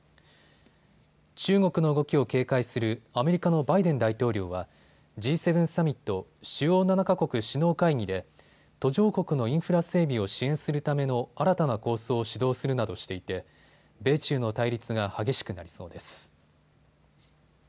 中国の動きを警戒するアメリカのバイデン大統領はＧ７サミット・主要７か国首脳会議で途上国のインフラ整備を支援するための新たな構想を主導するなどしていて米中の対立が激しくなりそうです。